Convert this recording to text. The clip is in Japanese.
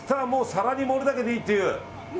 皿に盛るだけでいいっていう。